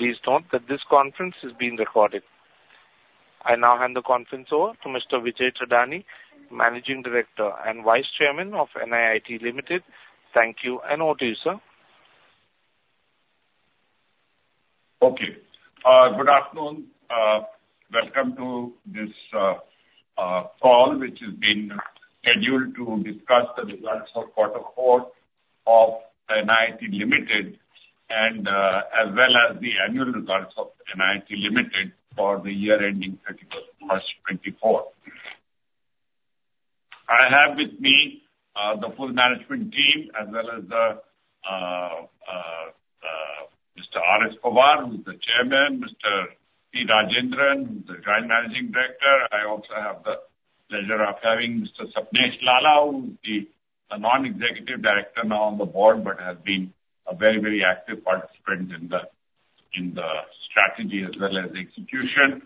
Please note that this conference is being recorded. I now hand the conference over to Mr. Vijay K. Thadani, Managing Director and Vice Chairman of NIIT Limited. Thank you, and over to you, sir. Okay. Good afternoon. Welcome to this call, which has been scheduled to discuss the results for quarter four of NIIT Limited, and as well as the annual results of NIIT Limited for the year ending 31 March 2024. I have with me the full management team, as well as Mr. R.S. Pawar, who is the Chairman, Mr. P. Rajendran, the Joint Managing Director. I also have the pleasure of having Mr. Sapnesh Lalla, who is a Non-Executive Director now on the board, but has been a very, very active participant in the strategy as well as the execution.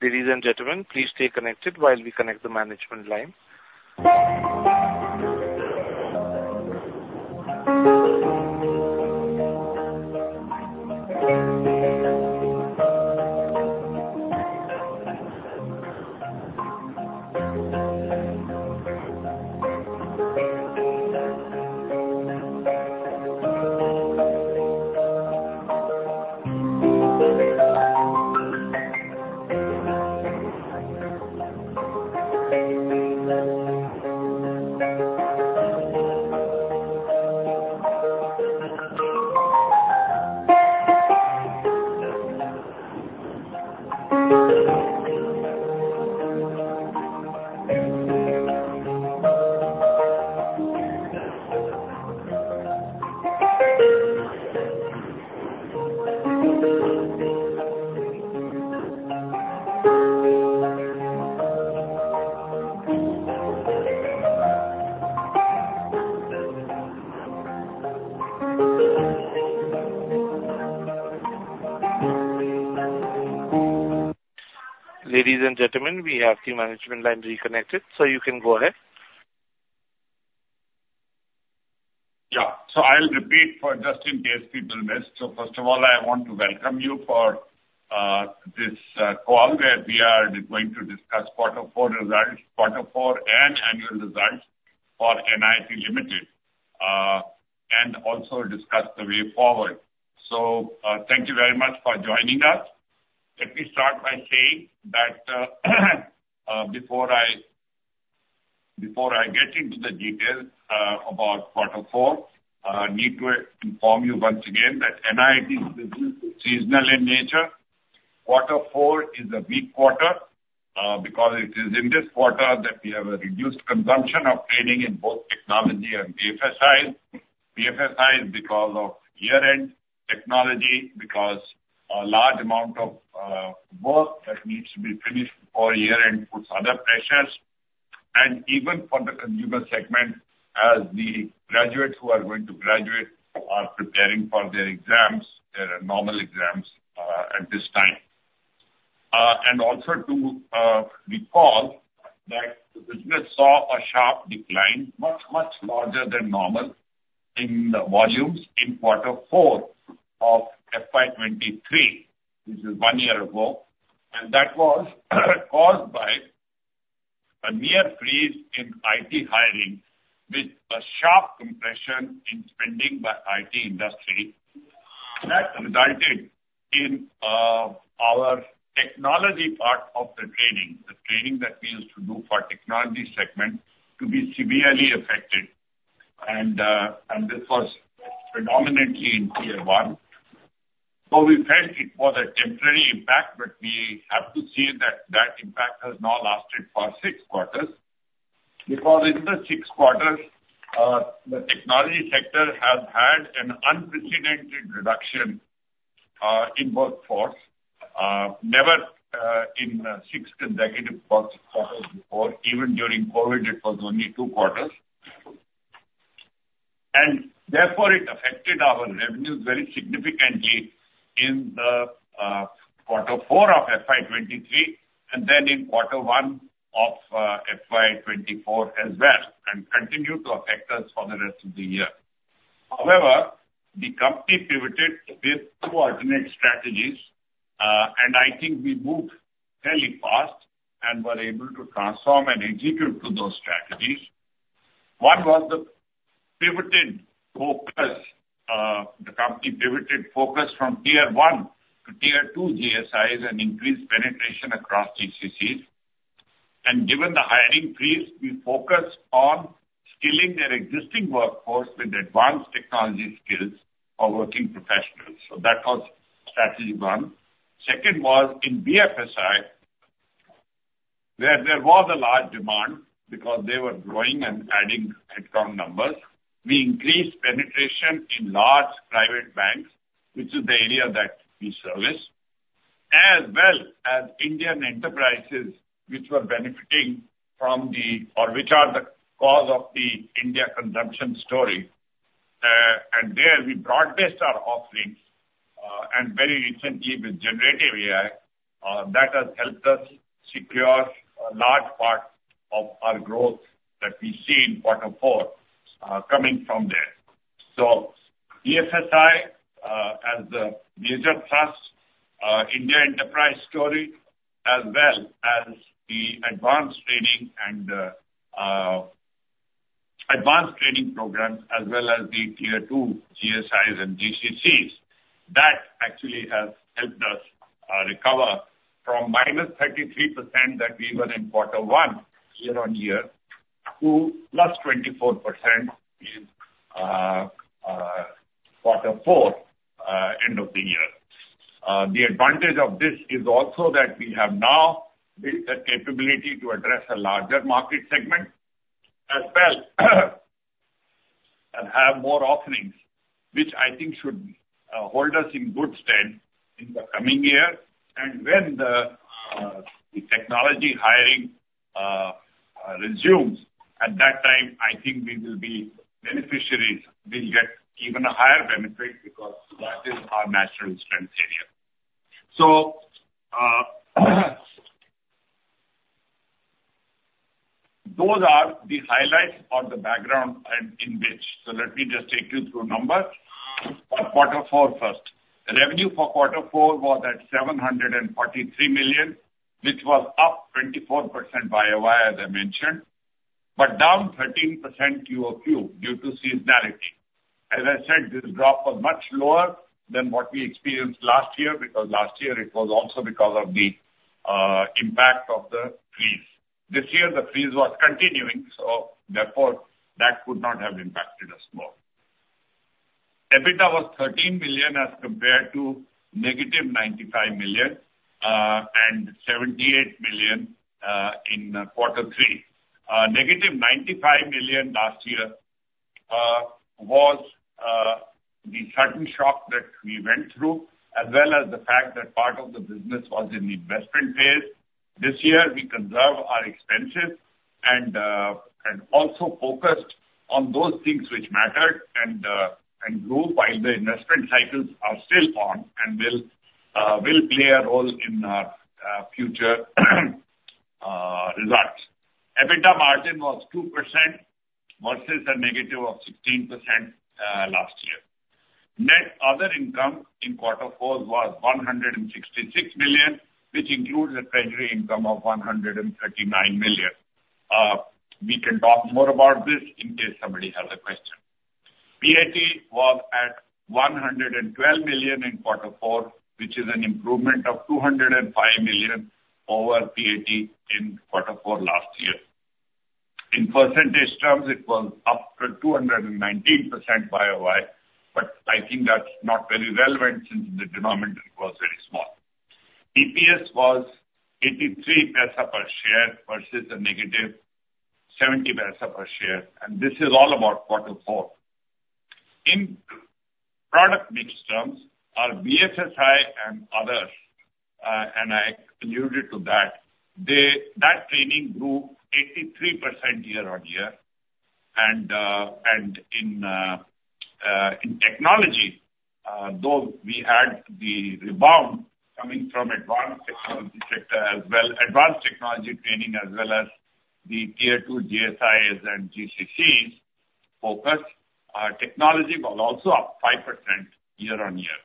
Ladies and gentlemen, please stay connected while we connect the management line. Ladies and gentlemen, we have the management line reconnected, so you can go ahead. Yeah. So I'll repeat for just in case people missed. So first of all, I want to welcome you for this call, where we are going to discuss quarter four results, quarter four and annual results for NIIT Limited, and also discuss the way forward. So, thank you very much for joining us. Let me start by saying that, before I get into the details about quarter four, I need to inform you once again that NIIT is seasonal in nature. Quarter four is a weak quarter, because it is in this quarter that we have a reduced consumption of training in both technology and BFSI. BFSI is because of year-end technology, because a large amount of work that needs to be finished before year-end puts other pressures. And even for the consumer segment, as the graduates who are going to graduate, are preparing for their exams, their normal exams, at this time. And also to recall that the business saw a sharp decline, much, much larger than normal, in the volumes in quarter four of FY 2023, which is one year ago. And that was caused by a near freeze in IT hiring, with a sharp compression in spending by IT industry. That resulted in our technology part of the training, the training that we used to do for technology segment, to be severely affected. And this was predominantly in Tier 1. So we felt it was a temporary impact, but we have to see that that impact has now lasted for six quarters. Because in the six quarters, the technology sector has had an unprecedented reduction in workforce, never in six consecutive quarters before. Even during COVID, it was only two quarters. And therefore, it affected our revenues very significantly in the quarter four of FY 2023 and then in quarter one of FY 2024 as well, and continued to affect us for the rest of the year. However, the company pivoted with two alternate strategies, and I think we moved fairly fast and were able to transform and execute to those strategies. One was the pivoted focus, the company pivoted focus from Tier 1 to Tier 2 GSIs and increased penetration across GCCs. And given the hiring freeze, we focused on skilling their existing workforce with advanced technology skills for working professionals. So that was strategy one. Second was in BFSI, where there was a large demand because they were growing and adding headcount numbers. We increased penetration in large private banks, which is the area that we service, as well as Indian enterprises which were benefiting from the, or which are the cause of the India consumption story. And there we broad-based our offerings, and very recently with Generative AI, that has helped us secure a large part of our growth that we see in quarter four, coming from there. So BFSI as a major plus India enterprise story, as well as the advanced training and advanced training programs, as well as the Tier 2 GSIs and GCCs, that actually has helped us recover from -33% that we were in quarter one year-on-year to +24% in quarter four end of the year. The advantage of this is also that we have now built the capability to address a larger market segment, as well and have more offerings, which I think should hold us in good stead in the coming year. And when the technology hiring resumes, at that time, I think we will be beneficiaries. We'll get even a higher benefit because that is our natural strength area. Those are the highlights or the background in which, so let me just take you through numbers for quarter four first. Revenue for quarter four was at 743 million, which was up 24% Y-o-Y, as I mentioned, but down 13% Q-o-Q due to seasonality. As I said, this drop was much lower than what we experienced last year, because last year it was also because of the impact of the freeze. This year, the freeze was continuing, so therefore, that could not have impacted us more. EBITDA was 13 million, as compared to -95 million and 78 million in quarter three. Negative 95 million last year was the sudden shock that we went through, as well as the fact that part of the business was in the investment phase. This year, we conserved our expenses and also focused on those things which mattered and grew while the investment cycles are still on and will play a role in our future results. EBITDA margin was 2% versus a negative of 16% last year. Net other income in quarter four was 166 million, which includes a treasury income of 139 million. We can talk more about this in case somebody has a question. PAT was at 112 million in quarter four, which is an improvement of 205 million over PAT in quarter four last year. In percentage terms, it was up to 219% Y-o-Y, but I think that's not very relevant since the denominator was very small. EPS was 0.83 per share versus -0.70 per share, and this is all about quarter four. In product mix terms, our BFSI and others, and I alluded to that, that training grew 83% year-on-year. And in technology, though we had the rebound coming from advanced technology sector as well, advanced technology training as well as the Tier 2 GSIs and GCCs focus, our technology was also up 5% year-on-year.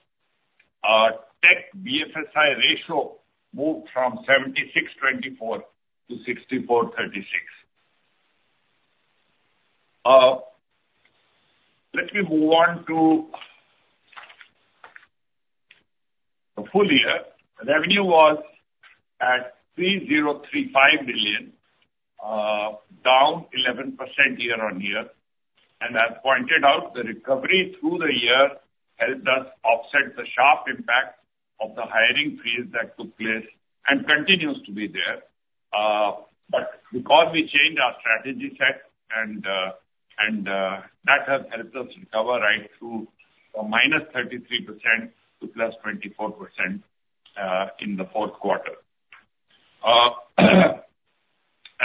Our tech BFSI ratio moved from 76/24 to 64/36. Let me move on to the full year. Revenue was at 3,035 million, down 11% year-on-year. And as pointed out, the recovery through the year helped us offset the sharp impact of the hiring freeze that took place and continues to be there. But because we changed our strategy set and, and, that has helped us recover right through from -33% to +24% in the fourth quarter.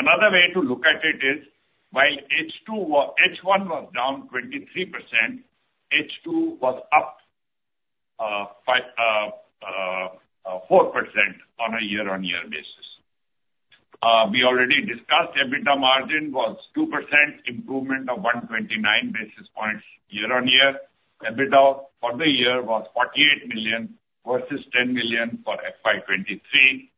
Another way to look at it is while H1 was down 23%, H2 was up 5.4% on a year-on-year basis. We already discussed EBITDA margin was 2%, improvement of 129 basis points year-on-year. EBITDA for the year was 48 million versus 10 million for FY 2023.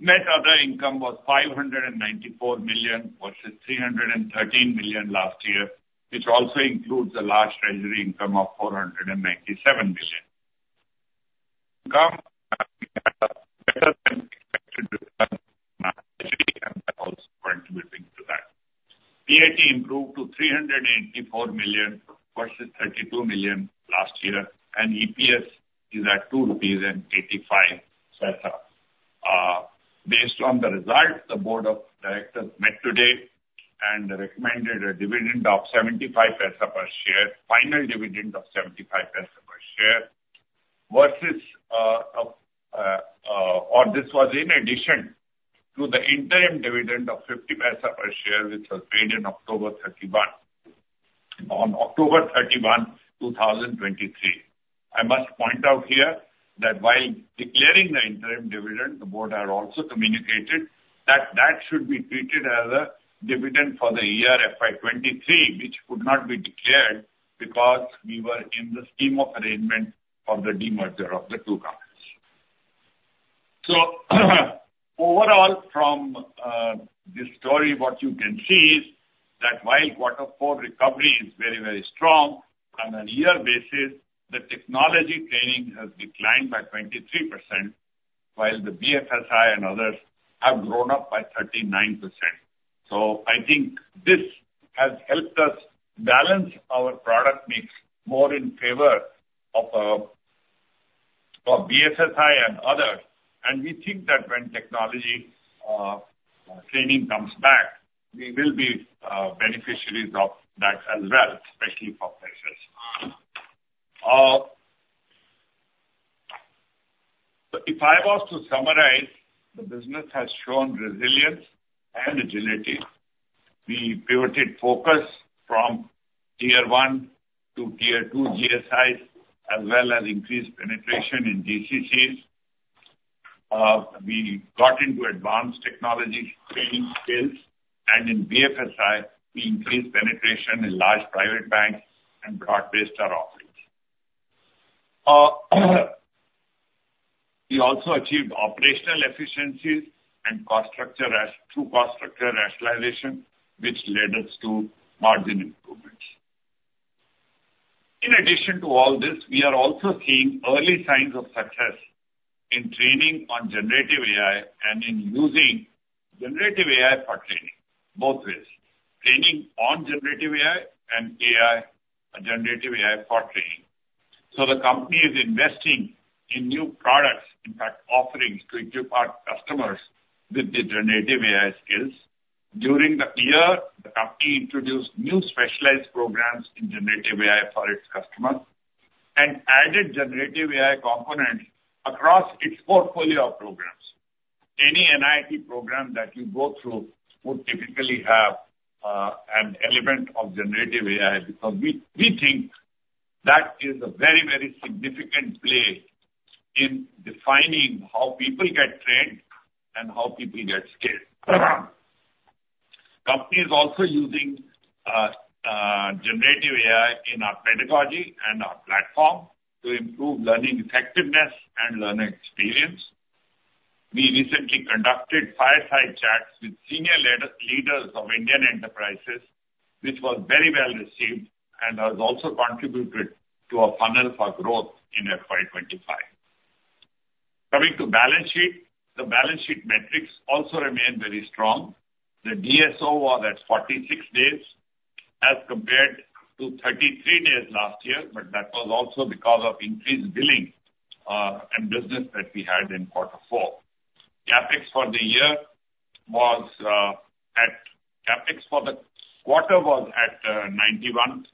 Net other income was 594 million versus 313 million last year, which also includes a large treasury income of 497 million from better than expected return on our treasury and also contributing to that. PAT improved to 384 million versus 32 million last year, and EPS is at 2.85 rupees. Based on the results, the board of directors met today and recommended a dividend of 0.75 per share, final dividend of 0.75 per share, versus, or this was in addition to the interim dividend of 0.50 per share, which was paid in October 31, on October 31, 2023. I must point out here that while declaring the interim dividend, the board had also communicated that that should be treated as a dividend for the year FY 2023, which could not be declared because we were in the scheme of arrangement of the demerger of the two companies. So, overall, from this story, what you can see is that while quarter four recovery is very, very strong on a year basis, the technology training has declined by 23%, while the BFSI and others have grown up by 39%. So I think this has helped us balance our product mix more in favor of of BFSI and others, and we think that when technology training comes back, we will be beneficiaries of that as well, especially for BFSI. So if I was to summarize, the business has shown resilience and agility. We pivoted focus from Tier 1 to Tier 2 GSIs, as well as increased penetration in GCCs. We got into advanced technology training skills, and in BFSI, we increased penetration in large private banks and broad-based our offerings. We also achieved operational efficiencies and cost structure through cost structure rationalization, which led us to margin improvements. In addition to all this, we are also seeing early signs of success in training on generative AI and in using generative AI for training, both ways, training on generative AI and AI, generative AI for training. So the company is investing in new products, in fact, offerings to equip our customers with the generative AI skills. During the year, the company introduced new specialized programs in generative AI for its customers and added generative AI components across its portfolio of programs. Any NIIT program that you go through would typically have an element of generative AI, because we, we think that is a very, very significant play in defining how people get trained and how people get skilled. Company is also using Generative AI in our pedagogy and our platform to improve learning effectiveness and learner experience. We recently conducted fireside chats with senior leaders of Indian enterprises, which was very well received and has also contributed to our funnel for growth in FY 2025. Coming to balance sheet. The balance sheet metrics also remain very strong. The DSO was at 46 days as compared to 33 days last year, but that was also because of increased billing and business that we had in quarter four. CapEx for the quarter was at 91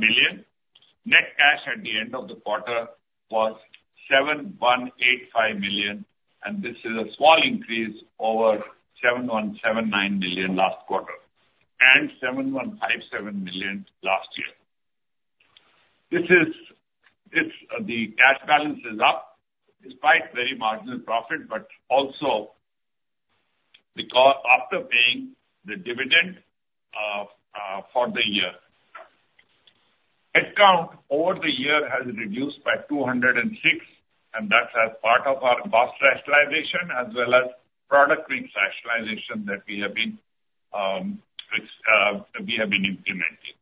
million. Net cash at the end of the quarter was 7,185 million, and this is a small increase over 7,179 million last quarter, and 7,157 million last year. It's the cash balance is up despite very marginal profit, but also because after paying the dividend for the year. Headcount over the year has reduced by 206, and that's as part of our cost rationalization as well as product suite rationalization that we have been implementing.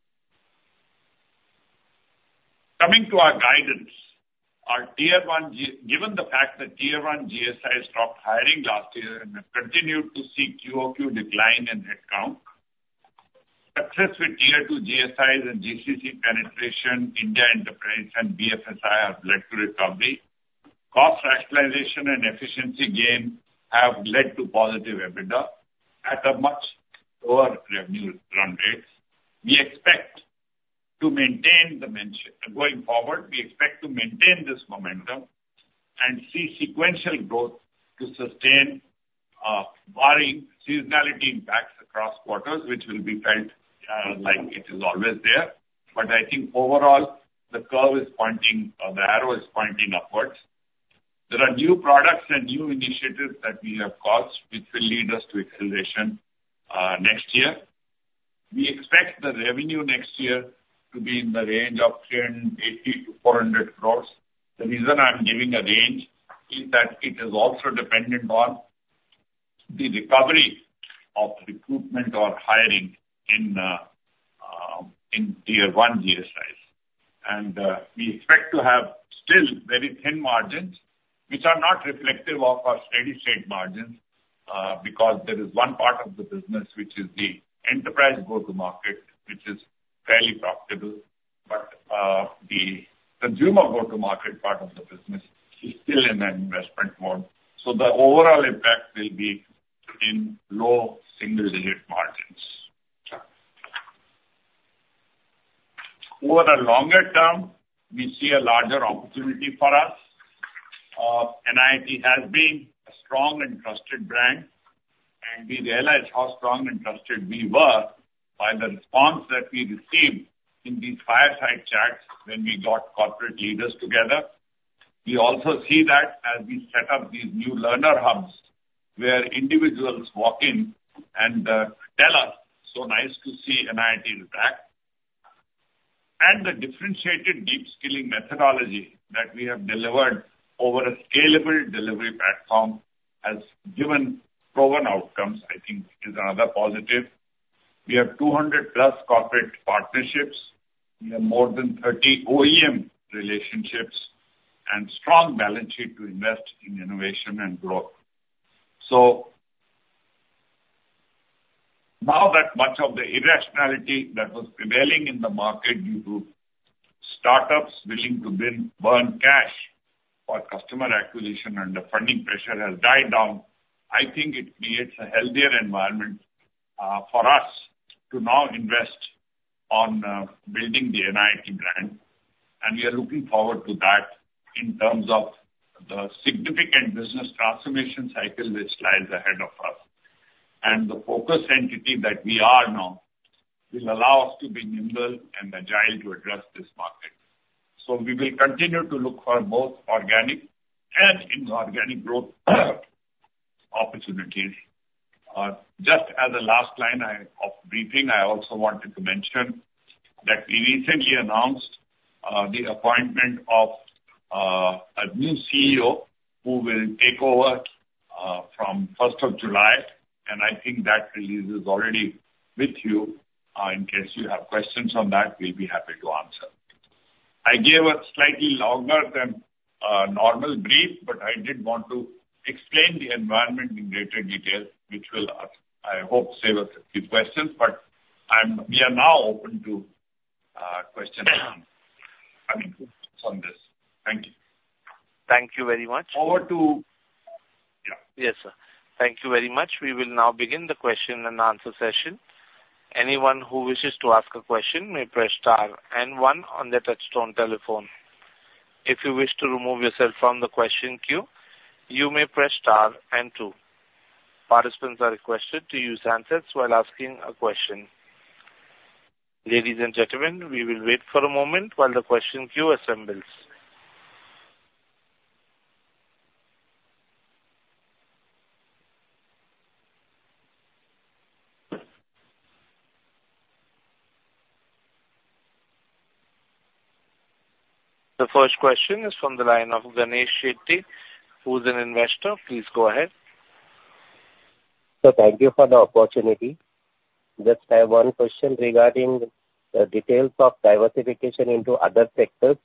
Coming to our guidance, given the fact that Tier One GSIs stopped hiring last year and have continued to see QOQ decline in headcount, success with Tier Two GSIs and GCC penetration, India enterprise and BFSI have led to recovery. Cost rationalization and efficiency gain have led to positive EBITDA at a much lower revenue run rates. Going forward, we expect to maintain this momentum and see sequential growth to sustain, barring seasonality impacts across quarters, which will be felt, like it is always there. But I think overall, the curve is pointing, the arrow is pointing upwards. There are new products and new initiatives that we have caused, which will lead us to acceleration, next year. We expect the revenue next year to be in the range of 380-400 crores. The reason I'm giving a range is that it is also dependent on the recovery of recruitment or hiring in, in Tier One GSIs. And, we expect to have still very thin margins, which are not reflective of our steady state margins, because there is one part of the business, which is the enterprise go-to-market, which is fairly profitable.... The consumer go-to-market part of the business is still in an investment mode, so the overall impact will be in low single-digit margins. Over the longer term, we see a larger opportunity for us. NIIT has been a strong and trusted brand, and we realized how strong and trusted we were by the response that we received in these fireside chats when we got corporate leaders together. We also see that as we set up these new learner hubs, where individuals walk in and tell us, "So nice to see NIIT is back." And the differentiated deep skilling methodology that we have delivered over a scalable delivery platform has given proven outcomes, I think is another positive. We have 200+ corporate partnerships. We have more than 30 OEM relationships and strong balance sheet to invest in innovation and growth. So now that much of the irrationality that was prevailing in the market due to startups willing to build, burn cash for customer acquisition and the funding pressure has died down, I think it creates a healthier environment for us to now invest on building the NIIT brand. And we are looking forward to that in terms of the significant business transformation cycle which lies ahead of us. The focused entity that we are now will allow us to be nimble and agile to address this market. We will continue to look for both organic and inorganic growth opportunities. Just as a last line of briefing, I also wanted to mention that we recently announced the appointment of a new CEO who will take over from first of July, and I think that release is already with you. In case you have questions on that, we'll be happy to answer. I gave a slightly longer than normal brief, but I did want to explain the environment in greater detail, which will, I hope, save us a few questions. But we are now open to questions I mean, on this. Thank you. Thank you very much. Over to... Yeah. Yes, sir. Thank you very much. We will now begin the question and answer session. Anyone who wishes to ask a question may press star and one on their touch-tone telephone. If you wish to remove yourself from the question queue, you may press star and two. Participants are requested to use handsets while asking a question. Ladies and gentlemen, we will wait for a moment while the question queue assembles. The first question is from the line of Ganesh Shetye, who's an investor. Please go ahead. Thank you for the opportunity. Just, I have one question regarding the details of diversification into other sectors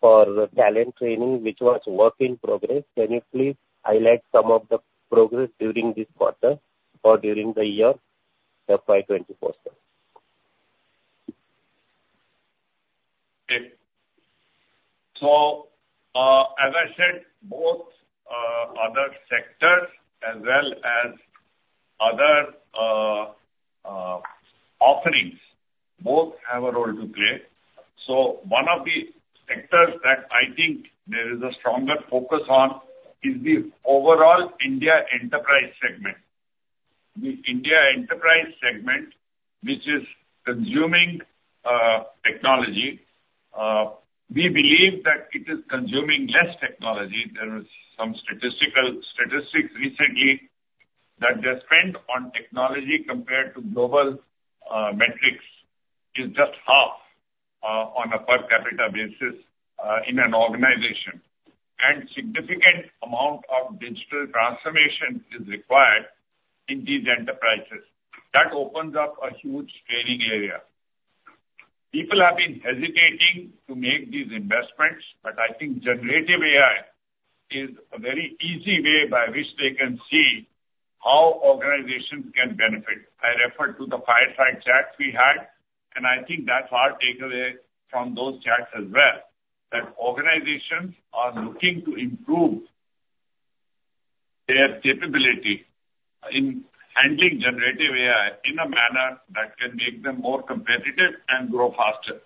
for talent training, which was work in progress. Can you please highlight some of the progress during this quarter or during the year, the FY 2024, sir? Okay. So, as I said, both other sectors as well as other offerings, both have a role to play. So one of the sectors that I think there is a stronger focus on is the overall India enterprise segment. The India enterprise segment, which is consuming technology, we believe that it is consuming less technology. There is some statistics recently that their spend on technology compared to global metrics, is just half, on a per capita basis, in an organization. Significant amount of digital transformation is required in these enterprises. That opens up a huge training area. People have been hesitating to make these investments, but I think Generative AI is a very easy way by which they can see how organizations can benefit. I refer to the fireside chats we had, and I think that's our takeaway from those chats as well, that organizations are looking to improve their capability in handling Generative AI in a manner that can make them more competitive and grow faster.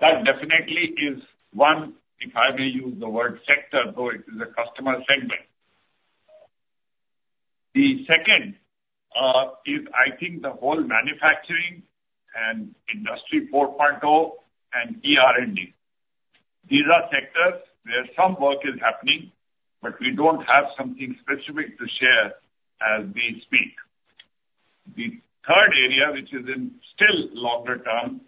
That definitely is one, if I may use the word, sector, though it is a customer segment. The second, is I think the whole manufacturing and Industry 4.0 and ER&D. These are sectors where some work is happening, but we don't have something specific to share as we speak. The third area, which is in still longer term,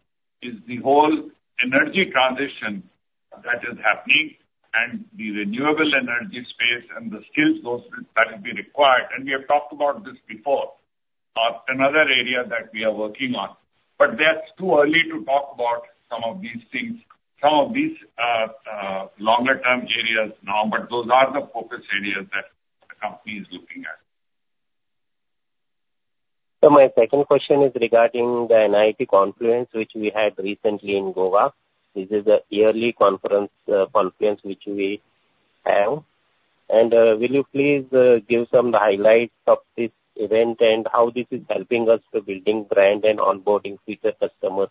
is the whole energy transition that is happening and the renewable energy space and the skill sets that will be required, and we have talked about this before. Another area that we are working on, but that's too early to talk about some of these things, some of these longer term areas now, but those are the focus areas that the company is looking at. ...My second question is regarding the NIIT Confluence, which we had recently in Goa. This is a yearly conference, confluence which we have. Will you please give some highlights of this event and how this is helping us to building brand and onboarding future customers?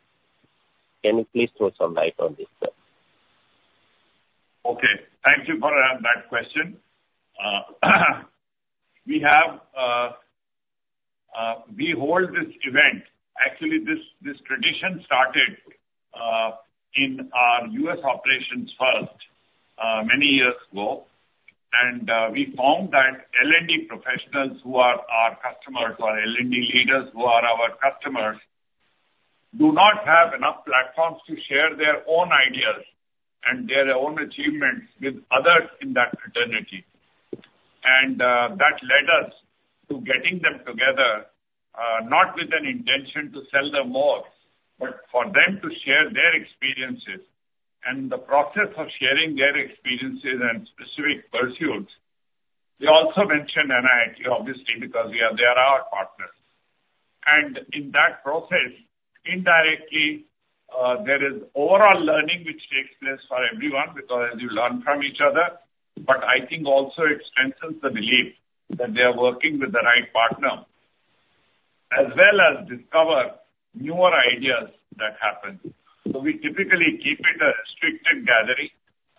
Can you please throw some light on this, sir? Okay, thank you for that question. We hold this event. Actually, this tradition started in our U.S. operations first, many years ago. We found that L&D professionals who are our customers, or L&D leaders who are our customers, do not have enough platforms to share their own ideas and their own achievements with others in that fraternity. That led us to getting them together, not with an intention to sell them more, but for them to share their experiences. And the process of sharing their experiences and specific pursuits, they also mentioned NIIT, obviously, because we are, they are our partners. And in that process, indirectly, there is overall learning which takes place for everyone, because you learn from each other. But I think also it strengthens the belief that they are working with the right partner, as well as discover newer ideas that happen. So we typically keep it a restricted gathering,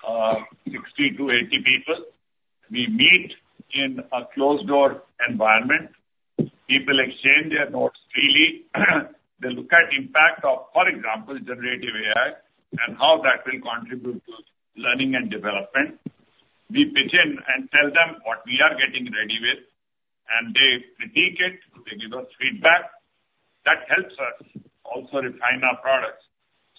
60-80 people. We meet in a closed-door environment. People exchange their notes freely. They look at impact of, for example, Generative AI and how that will contribute to learning and development. We pitch in and tell them what we are getting ready with, and they critique it, they give us feedback. That helps us also refine our products.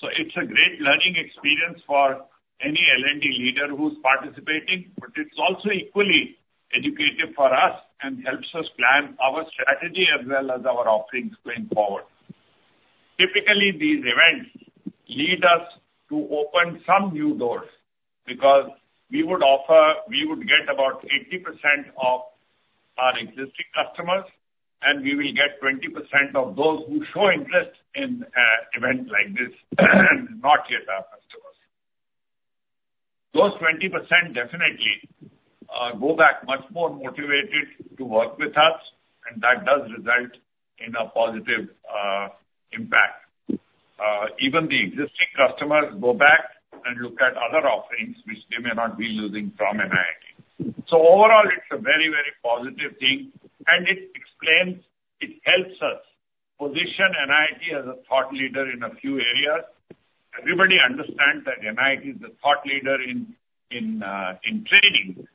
So it's a great learning experience for any L&D leader who's participating, but it's also equally educative for us and helps us plan our strategy as well as our offerings going forward. Typically, these events lead us to open some new doors because we would offer... We would get about 80% of our existing customers, and we will get 20% of those who show interest in events like this, and not yet our customers. Those 20% definitely go back much more motivated to work with us, and that does result in a positive impact. Even the existing customers go back and look at other offerings which they may not be using from NIIT. So overall, it's a very, very positive thing, and it explains, it helps us position NIIT as a thought leader in a few areas. Everybody understands that NIIT is a thought leader in training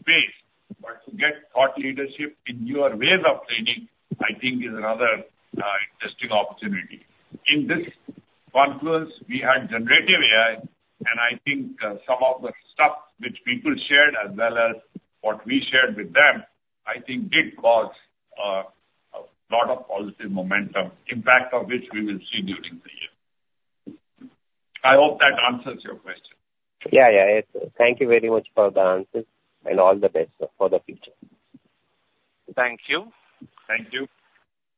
space, but to get thought leadership in newer ways of training, I think is another interesting opportunity. In this confluence, we had Generative AI, and I think, some of the stuff which people shared as well as what we shared with them, I think did cause, a lot of positive momentum, impact of which we will see during the year. I hope that answers your question. Yeah, yeah. Thank you very much for the answers, and all the best for the future. Thank you. Thank you.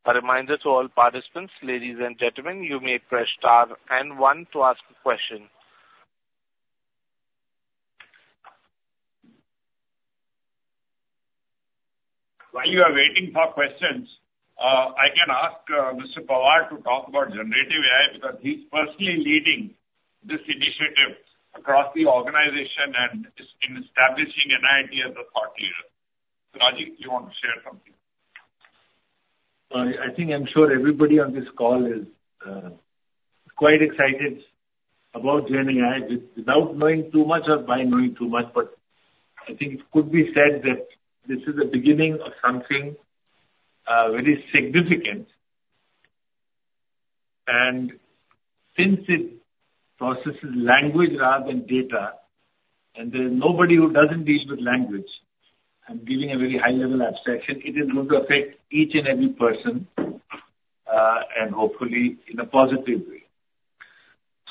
A reminder to all participants, ladies and gentlemen, you may press star and one to ask a question. While you are waiting for questions, I can ask Mr. Pawar to talk about generative AI, because he's personally leading this initiative across the organization and is in establishing NIIT as a thought leader. Rajendra, do you want to share something? I think I'm sure everybody on this call is quite excited about gen AI, without knowing too much or by knowing too much. But I think it could be said that this is the beginning of something very significant. And since it processes language rather than data, and there's nobody who doesn't deal with language, I'm giving a very high level abstraction, it is going to affect each and every person, and hopefully in a positive way.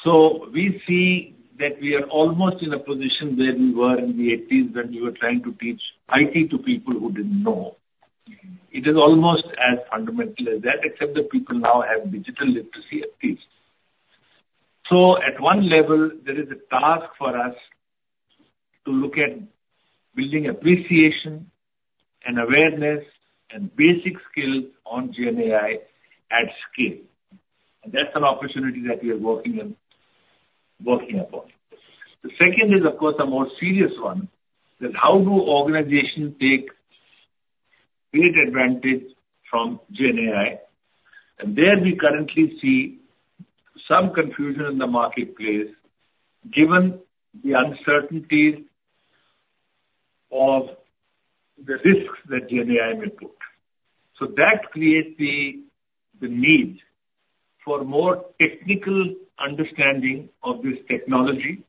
So we see that we are almost in a position where we were in the eighties, when we were trying to teach IT to people who didn't know. It is almost as fundamental as that, except that people now have digital literacy, at least. So at one level, there is a task for us to look at building appreciation and awareness and basic skills on Gen AI at scale, and that's an opportunity that we are working on, working upon. The second is, of course, a more serious one, that how do organizations take great advantage from Gen AI? And there we currently see some confusion in the marketplace, given the uncertainties of the risks that Gen AI may put. So that creates the need for more technical understanding of this technology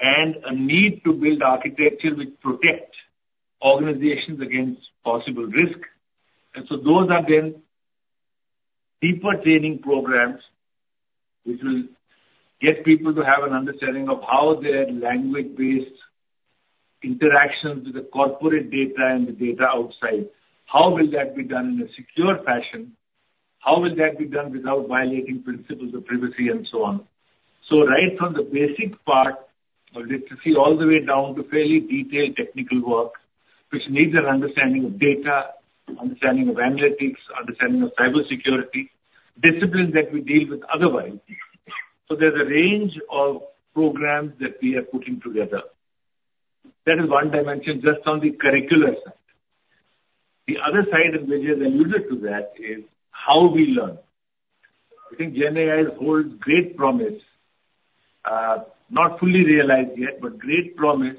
and a need to build architecture which protects organizations against possible risk, and so those are then... Deeper training programs, which will get people to have an understanding of how their language-based interactions with the corporate data and the data outside, how will that be done in a secure fashion? How will that be done without violating principles of privacy, and so on? So right from the basic part of literacy, all the way down to fairly detailed technical work, which needs an understanding of data, understanding of analytics, understanding of cybersecurity, disciplines that we deal with otherwise. So there's a range of programs that we are putting together. That is one dimension just on the curricular side. The other side, and Vijay has alluded to that, is how we learn. I think GenAI holds great promise, not fully realized yet, but great promise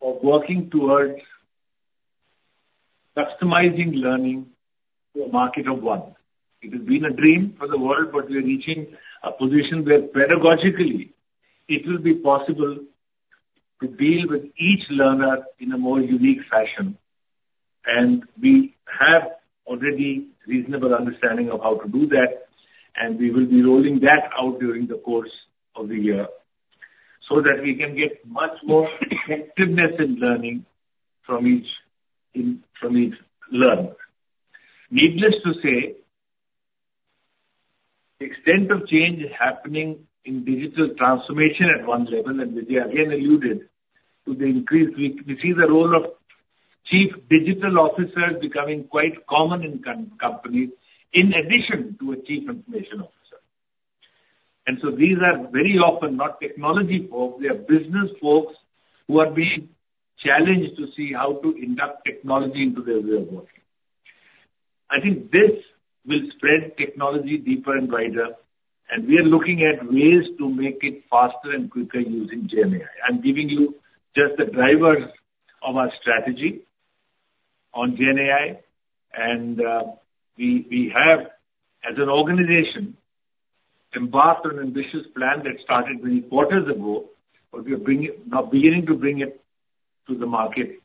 of working towards customizing learning to a market of one. It has been a dream for the world, but we are reaching a position where pedagogically, it will be possible to deal with each learner in a more unique fashion. We have a reasonable understanding of how to do that, and we will be rolling that out during the course of the year, so that we can get much more effectiveness in learning from each learner. Needless to say, the extent of change happening in digital transformation at one level, and Vijay again alluded to the increase. We see the role of Chief Digital Officers becoming quite common in companies, in addition to a Chief Information Officer. So these are very often not technology folks; they are business folks who are being challenged to see how to induct technology into their way of working. I think this will spread technology deeper and wider, and we are looking at ways to make it faster and quicker using GenAI. I'm giving you just the drivers of our strategy on GenAI, and we have, as an organization, embarked on an ambitious plan that started many quarters ago, but we are now beginning to bring it to the market.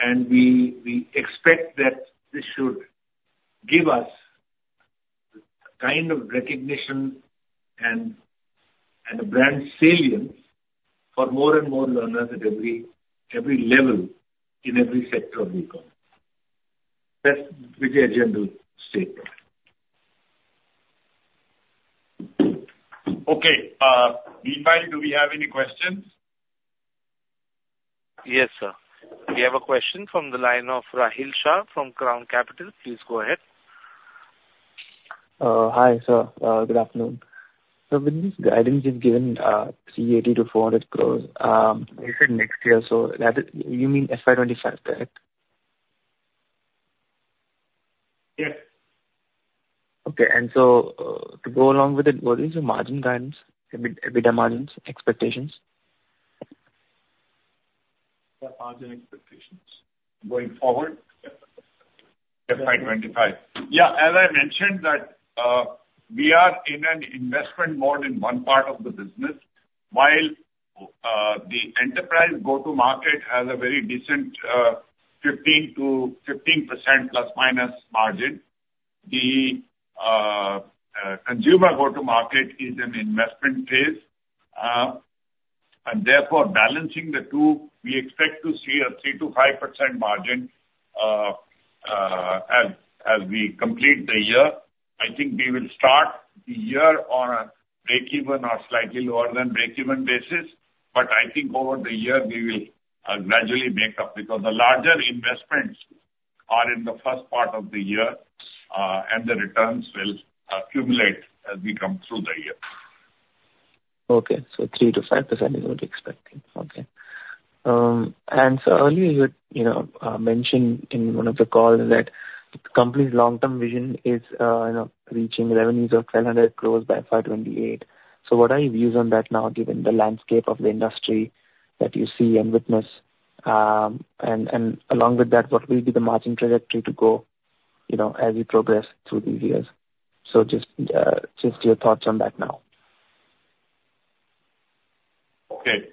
And we expect that this should give us the kind of recognition and a brand salience for more and more learners at every level in every sector of the economy. That's, Vijay, a general statement. Okay, Deepan, do we have any questions? Yes, sir. We have a question from the line of Rahil Shah from Crown Capital. Please go ahead. Hi, sir. Good afternoon. So with this guidance you've given, 380 crore-400 crore, you said next year, so that is, you mean FY 2025, correct? Yes. Okay. And so, to go along with it, what is the margin guidance, EBITDA margins expectations? The margin expectations going forward? Yeah. FY 2025. Yeah, as I mentioned that, we are in an investment mode in one part of the business. While the enterprise go-to-market has a very decent 15%-15% plus/minus margin, the consumer go-to-market is an investment phase. And therefore, balancing the two, we expect to see a 3%-5% margin, as we complete the year. I think we will start the year on a breakeven or slightly lower than breakeven basis, but I think over the year we will gradually make up, because the larger investments are in the first part of the year, and the returns will accumulate as we come through the year. Okay, so 3%-5% is what you're expecting. Okay. And so earlier you had, you know, mentioned in one of the calls that the company's long-term vision is, you know, reaching revenues of 1,000 crore by FY 2028. So what are your views on that now, given the landscape of the industry that you see and witness? And along with that, what will be the margin trajectory to go, you know, as you progress through the years? So just your thoughts on that now. Okay.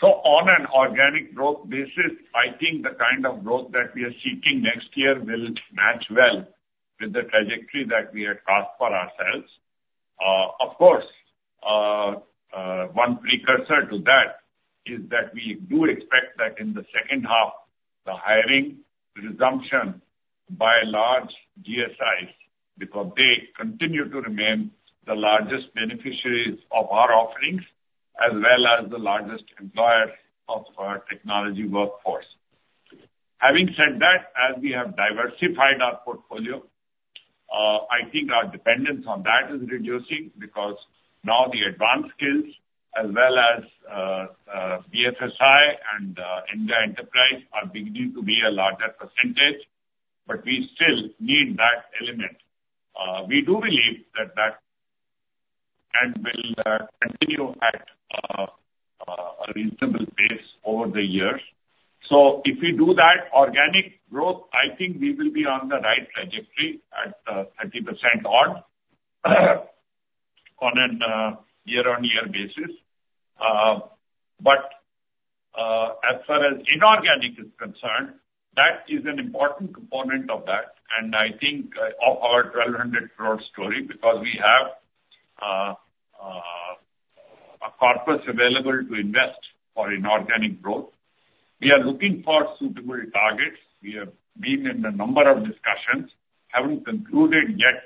So on an organic growth basis, I think the kind of growth that we are seeking next year will match well with the trajectory that we had cast for ourselves. Of course, one precursor to that is that we do expect that in the second half, the hiring resumption by large GSIs, because they continue to remain the largest beneficiaries of our offerings, as well as the largest employers of our technology workforce. Having said that, as we have diversified our portfolio, I think our dependence on that is reducing because now the advanced skills, as well as, BFSI and, India Enterprise are beginning to be a larger percentage, but we still need that element. We do believe that that will continue at a reasonable pace over the years. So if we do that organic growth, I think we will be on the right trajectory at, 30% odd, on an, year-on-year basis. Whereas inorganic is concerned, that is an important component of that, and I think, of our 1,200 crore story, because we have, a corpus available to invest for inorganic growth. We are looking for suitable targets. We have been in a number of discussions, haven't concluded yet,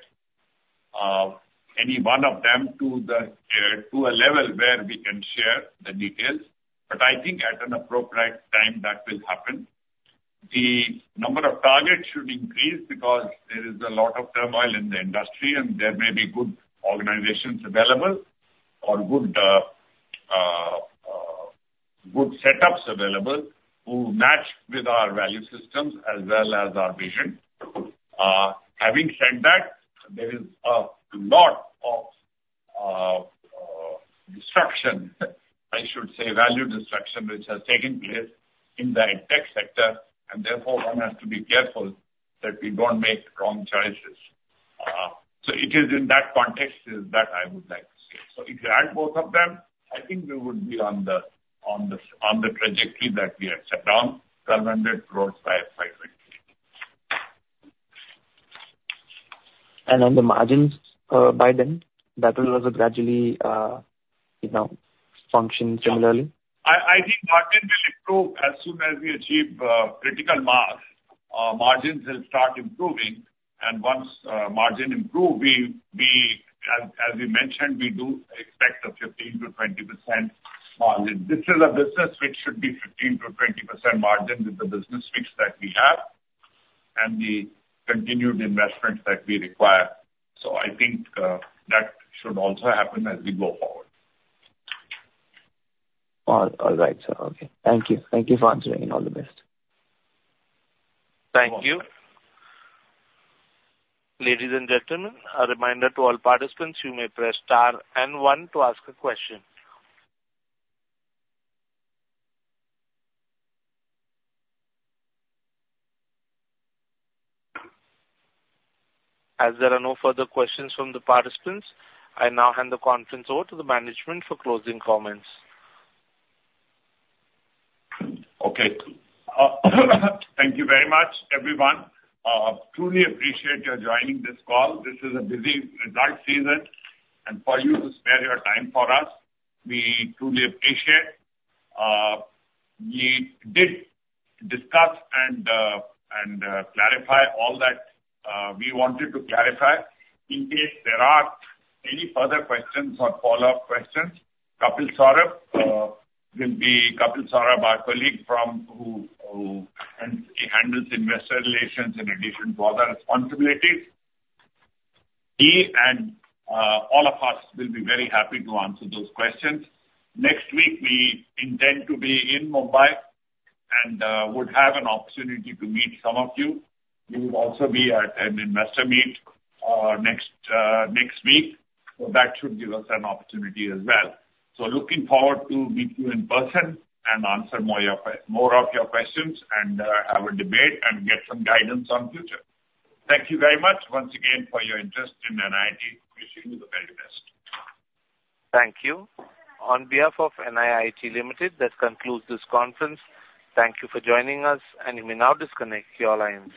any one of them to the, to a level where we can share the details, but I think at an appropriate time, that will happen. The number of targets should increase because there is a lot of turmoil in the industry, and there may be good organizations available or good, good setups available who match with our value systems as well as our vision. Having said that, there is a lot of destruction, I should say, value destruction, which has taken place in the tech sector, and therefore, one has to be careful that we don't make wrong choices. So it is in that context is that I would like to say. So if you add both of them, I think we would be on the trajectory that we had set down, 1,200 crore by 2023. On the margins, by then, that will also gradually, you know, function similarly? I think margins will improve. As soon as we achieve critical mass, margins will start improving, and once margin improve, we, as we mentioned, we do expect a 15%-20% margin. This is a business which should be 15%-20% margin with the business mix that we have and the continued investments that we require. So I think that should also happen as we go forward. All right, sir. Okay, thank you. Thank you for answering, and all the best. Thank you. Ladies and gentlemen, a reminder to all participants, you may press star and one to ask a question. As there are no further questions from the participants, I now hand the conference over to the management for closing comments. Okay. Thank you very much, everyone. Truly appreciate your joining this call. This is a busy result season, and for you to spare your time for us, we truly appreciate. We did discuss and clarify all that we wanted to clarify. In case there are any further questions or follow-up questions, Kapil Saurabh will be... Kapil Saurabh, our colleague who handles investor relations in addition to other responsibilities. He and all of us will be very happy to answer those questions. Next week, we intend to be in Mumbai and would have an opportunity to meet some of you. We will also be at an investor meet next week, so that should give us an opportunity as well. So, looking forward to meet you in person and answer more of your questions, and have a debate and get some guidance on future. Thank you very much once again for your interest in NIIT. Wishing you the very best. Thank you. On behalf of NIIT Limited, that concludes this conference. Thank you for joining us, and you may now disconnect your lines.